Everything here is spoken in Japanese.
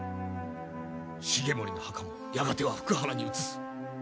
重盛の墓もやがては福原に移す。